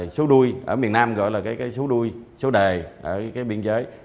số đuôi ở miền nam gọi là số đuôi số đề ở biên giới